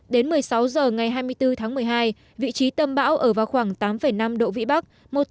đến một mươi sáu h ngày hai mươi bốn tháng một mươi hai vị trí tâm bão ở vào khoảng tám năm độ vĩ bắc